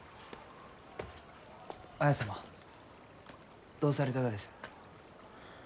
綾様どうされたがです？